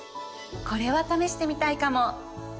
これは試してみたいかも！